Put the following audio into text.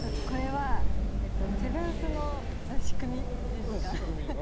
これはセブンスの仕組みっていうんですか？